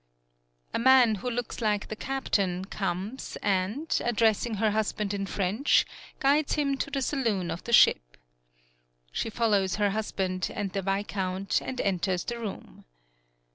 A man, who looks like the captain, comes, and, addressing her husband in French, guides him to the saloon of the ship. She follows her husband and the viscount and enters the room.